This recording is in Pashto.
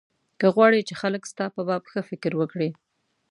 که غواړې چې خلک ستا په باب ښه فکر وکړي.